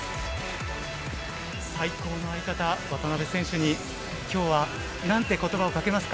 最高の相方、渡辺選手に、きょうはなんてことばをかけますか？